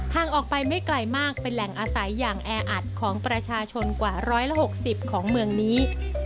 ห่างออกไปไม่ไกลมากเป็นแหล่งอาศัยอย่างแออัดของประชาชนกว่า๑๖๐ของเมืองนี้